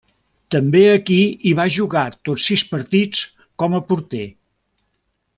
També aquí hi va jugar tots sis partits, com a porter.